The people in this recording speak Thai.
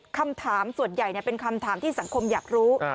คำถามส่วนใหญ่เป็นคำถามที่สังคมอยากรู้